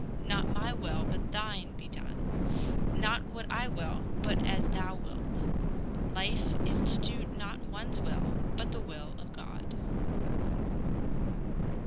Not my will, but thine be done; not what I will, but as thou wilt. Life is to do not one's will, but the will of God.